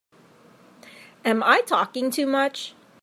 Am I talking too much?